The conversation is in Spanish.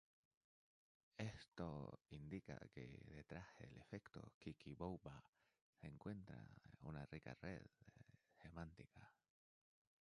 Esto indica que detrás del efecto Kiki-Bouba se encuentra una rica red semántica.